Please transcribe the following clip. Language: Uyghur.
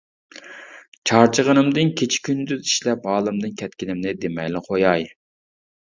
چارچىغىنىمدىن كېچە-كۈندۈز ئىشلەپ ھالىمدىن كەتكىنىمنى دېمەيلا قوياي.